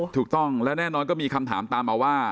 ถูกต้องและแน่นอนก็มีคำถามตามมาว่า